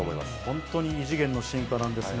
本当に異次元の進化なんですが。